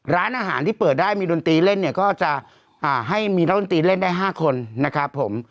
ร้านอาหารที่เปิดได้มีดนตรีเล่นเนี่ยก็จะให้มีนักดนตรีเล่นได้๕คนนะครับผม